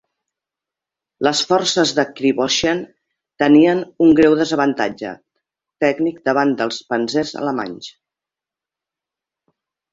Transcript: Les forces de Krivoshein tenien un greu desavantatge tècnic davant dels panzers alemanys.